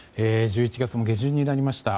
１１月も下旬になりました。